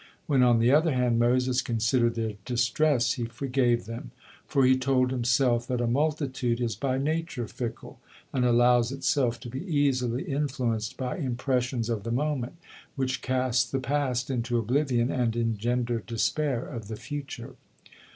When, on the other hand, Moses considered their distress, he forgave them; for he told himself that a multitude is by nature fickle, and allows itself to be easily influenced by impressions of the moment, which cast the past into oblivion, and engender despair of the future.